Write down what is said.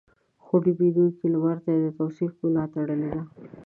خو ډوبېدونکي لمر ته يې د توصيف ملا تړلې ده.